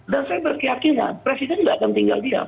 dan saya yakin presiden tidak akan meninggal diam